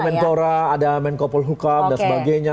kemenpora ada menkopol hukam dan sebagainya